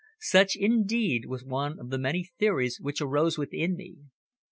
Such, indeed, was one of the many theories which arose within me.